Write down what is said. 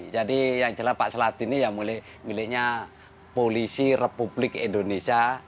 jadi yang jelas pak sladi ini ya miliknya polisi republik indonesia